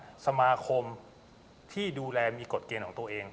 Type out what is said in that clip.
สมาคมที่ดูแลมีกฎเกณฑ์ของตัวเอง